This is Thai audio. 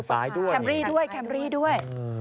แคมบรี่ด้วยแคมบรี่ด้วย